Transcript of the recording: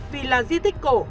vì là di tích cổ